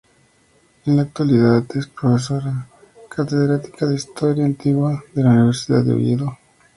En la actualidad es profesora catedrática de Historia Antigua en la Universidad de Oviedo.